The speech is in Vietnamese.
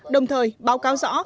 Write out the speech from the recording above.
đồng thời báo cáo rõ